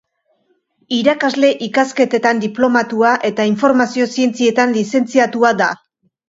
Irakasle ikasketetan diplomatua eta informazio zientzietan lizentziatua da.